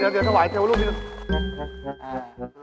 เดี๋ยวถวายเทวรูปนี้